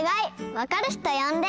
わかる人よんで！